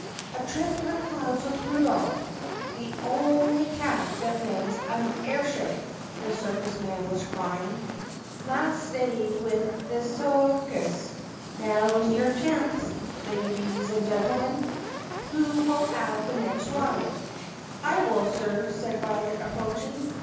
"A trip to the clouds with Rudolph, the on'y cat that mans a air ship!" the circus man was crying. "Las' day with this soi kus! Now 's your chance, la dees and gen nil min! Who will have the next ride*?" "I will, sir," said Violet approaching.